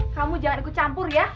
kamu jangan ikut campur ya